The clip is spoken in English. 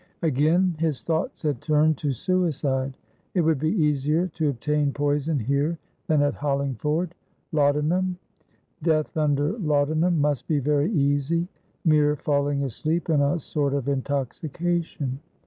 Again his thoughts had turned to suicide. It would be easier to obtain poison here than at Hollingford. Laudanum? Death under laudanum must be very easy, mere falling asleep in a sort of intoxication.